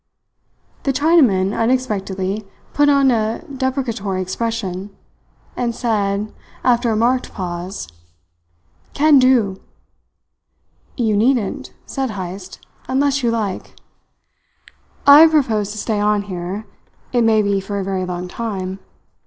The Chinaman unexpectedly put on a deprecatory expression, and said, after a marked pause: "Can do." "You needn't," said Heyst, "unless you like. I propose to stay on here it may be for a very long time.